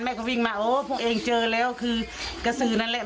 ก็วิ่งมาโอ้พวกเองเจอแล้วคือกระสือนั่นแหละ